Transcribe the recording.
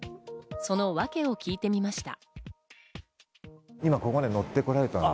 その訳を聞いてみました。